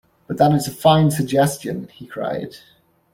"But that is a fine suggestion," he cried.